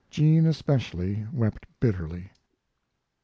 Jean, especially, wept bitterly.